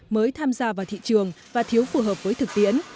mới tham gia vào thị trường và thiếu phù hợp với thực tiễn